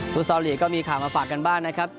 ซอลลีกก็มีข่าวมาฝากกันบ้างนะครับ